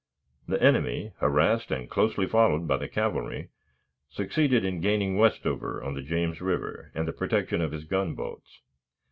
The enemy, harassed and closely followed by the cavalry, succeeded in gaining Westover, on the James River, and the protection of his gunboats.